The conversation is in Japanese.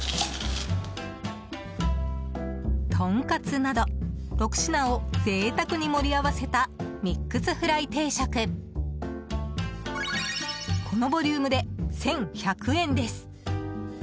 とんかつなど６品を贅沢に盛り合わせたミックスフライ定食このボリュームで１１００円です。